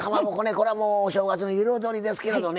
これはもうお正月の彩りですけれどね